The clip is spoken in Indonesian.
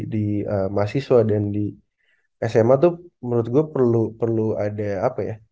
di mahasiswa dan di sma itu menurut gue perlu ada apa ya